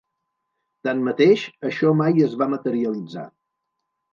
Tanmateix, això mai es va materialitzar.